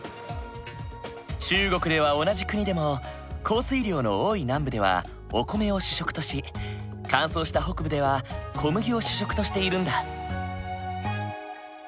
中国では同じ国でも降水量の多い南部ではお米を主食とし乾燥した北部では小麦を主食としているんだ。